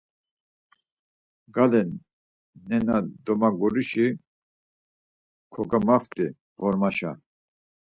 Gale nena domagurusi kogamaft̆i ğormaşa.